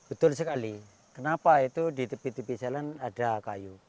betul sekali kenapa itu di tepi tepi jalan ada kayu